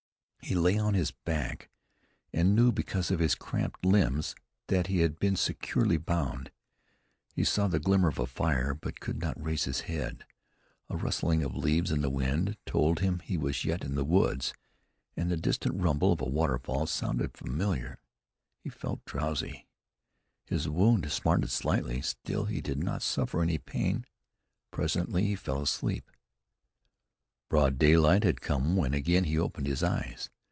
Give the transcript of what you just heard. He lay on his back, and knew because of his cramped limbs that he had been securely bound. He saw the glimmer of a fire, but could not raise his head. A rustling of leaves in the wind told that he was yet in the woods, and the distant rumble of a waterfall sounded familiar. He felt drowsy; his wound smarted slightly, still he did not suffer any pain. Presently he fell asleep. Broad daylight had come when again he opened his eyes.